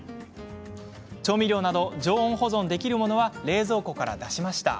調味料など常温保存できるものは冷蔵庫から出しました。